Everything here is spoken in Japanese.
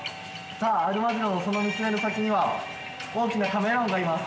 さあアルマジロのその見つめる先には大きなカメレオンがいます。